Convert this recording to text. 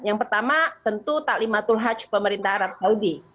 yang pertama tentu ⁇ talimatul hajj pemerintah arab saudi